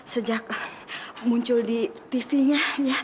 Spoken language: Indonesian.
sejak muncul di tv nya